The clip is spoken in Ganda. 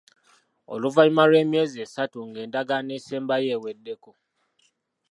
Oluvannyuma lw'emyezi esatu ng'Endagaano Esembayo eweddeko.